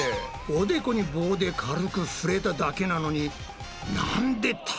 おでこに棒で軽く触れただけなのになんで立てないんだ？